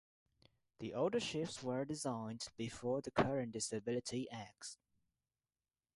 The older ships were designed before the current disability acts.